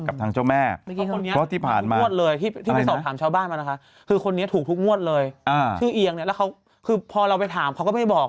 กับทางเจ้าแม่เพราะที่ผ่านมาคือคนนี้ถูกทุกมวดเลยชื่อเอียงเนี่ยแล้วเขาคือพอเราไปถามเขาก็ไม่บอก